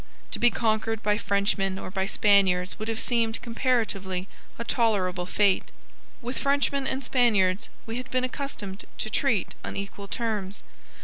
To be conquered by Frenchmen or by Spaniards would have seemed comparatively a tolerable fate. With Frenchmen and Spaniards we had been accustomed to treat on equal terms.